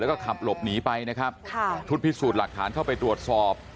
แล้วก็ขับหลบหนีไปนะครับค่ะชุดพิสูจน์หลักฐานเข้าไปตรวจสอบ